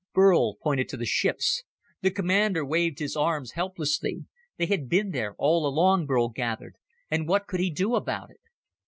Burl pointed to the ships. The commander waved his arms helplessly. They had been there all along, Burl gathered, and what could he do about it?